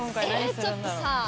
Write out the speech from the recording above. ちょっとさ